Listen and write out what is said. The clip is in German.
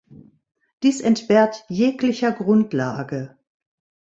Dies entbehrt jeglicher Grundlage.